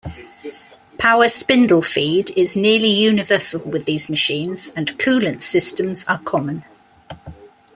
Power spindle feed is nearly universal with these machines and coolant systems are common.